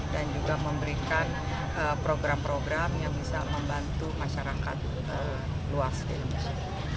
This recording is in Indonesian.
dan juga memberikan program program yang bisa membantu masyarakat luas di indonesia